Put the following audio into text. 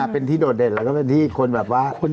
เป็นที่โดดเด่นแล้วก็เป็นที่คนแบบว่า